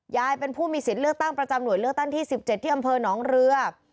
ยายเป็นผู้มีศิลป์เลือกตั้งประจำหน่วยเลือกตั้งที่๑๗ที่อนเรือก